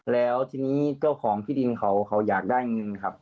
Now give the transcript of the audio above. แล้วทีนี้เจ้าของที่ดินเขาอยากได้เงินครับ